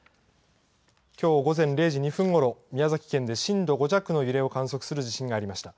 きょう、午前０時２分ごろ、宮崎県で震度５弱の揺れを観測する地震がありました。